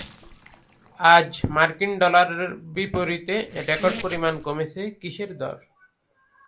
আজ মার্কিন ডলারের বিপরীতে রেকর্ড পরিমাণ কমেছে কিসের দর?